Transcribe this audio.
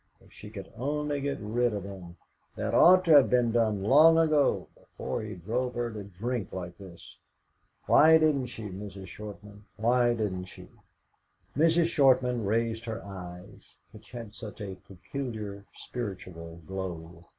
If she could only get rid of him! That ought to have been done long ago, before he drove her to drink like this. Why didn't she, Mrs. Shortman, why didn't she?" Mrs. Shortman raised her eyes, which had such a peculiar spiritual glow.